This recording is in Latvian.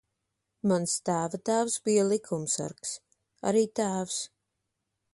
Mans tēva tēvs bija likumsargs. Arī tēvs.